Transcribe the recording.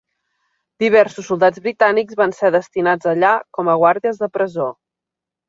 Diversos soldats britànics van ser destinats allà com a guàrdies de presó.